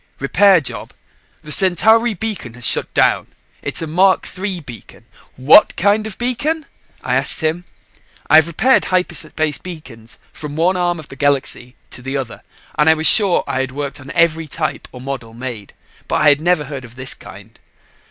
Repair job. The Centauri beacon has shut down. It's a Mark III beacon...." "What kind of beacon?" I asked him. I have repaired hyperspace beacons from one arm of the Galaxy to the other and was sure I had worked on every type or model made. But I had never heard of this kind.